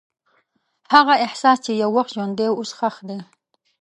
هغه احساس چې یو وخت ژوندی و، اوس ښخ دی.